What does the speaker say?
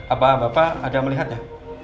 apa bapak ada melihatnya